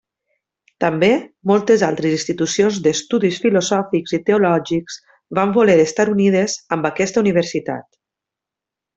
També moltes altres institucions d'estudis filosòfics i teològics van voler estar unides amb aquesta Universitat.